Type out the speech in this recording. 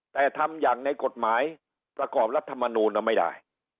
แต่ทำอย่างในกฎหมายประกอบรัฐมนูลไม่ได้